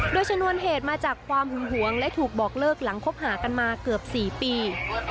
โดยชนวนเหตุมาจากความหึงหวงและถูกบอกเลิกหลังคบหากันมาเกือบ๔ปี